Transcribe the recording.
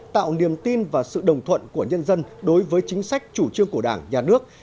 tạo niềm tin và sự đồng thuận của nhân dân đối với chính sách chủ trương của đảng nhà nước